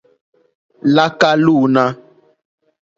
Láká lúǃúná.